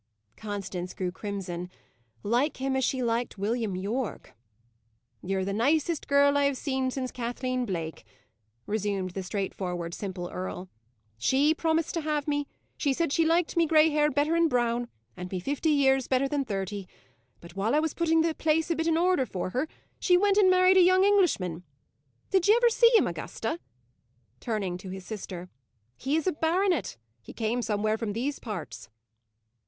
Constance grew crimson. Like him as she liked William Yorke! "Ye're the nicest girl I have seen since Kathleen Blake," resumed the straightforward, simple earl. "She promised to have me; she said she liked me grey hair better than brown, and me fifty years better than thirty, but, while I was putting the place a bit in order for her, she went and married a young Englishman. Did ye ever see him, Augusta?" turning to his sister. "He is a baronet. He came somewhere from these parts."